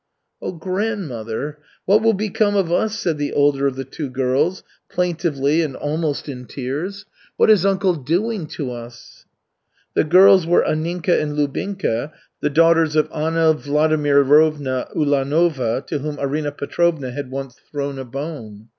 "Oh, grandmother, what will become of us?" said the older of the two girls, plaintively and almost in tears. "What is uncle doing to us?" The girls were Anninka and Lubinka, the daughters of Anna Vladimirovna Ulanova, to whom Arina Petrovna had once "thrown a bone."